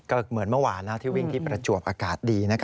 ก็เหมือนเมื่อวานที่วิ่งที่ประจวบอากาศดี